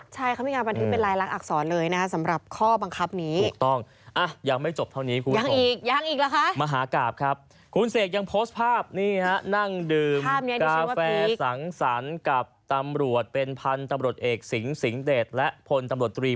ใช่ความพิการบันทึกเป็นลายลักอักษรเลยนะฮะสำหรับข้อบังคับนี้